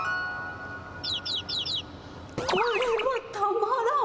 これはたまらん！